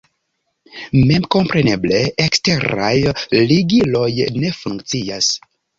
Memkompreneble, eksteraj ligiloj ne funkcias.